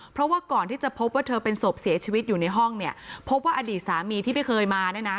เพราะว่าก่อนที่จะพบว่าเธอเป็นศพเสียชีวิตอยู่ในห้องเนี่ยพบว่าอดีตสามีที่ไม่เคยมาเนี่ยนะ